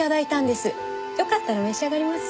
よかったら召し上がります？